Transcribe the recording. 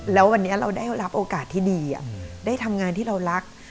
แล้ววันนี้เราได้รับโอกาสที่ดีได้ทำงานที่เรารัก